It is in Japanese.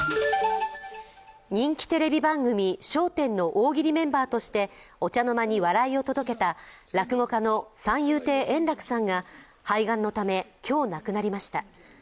人気テレビ番組「笑点」の大喜利メンバーとしてお茶の間に笑いを届けた落語家の三遊亭円楽さんが肺がんのため、今日、亡くなりました。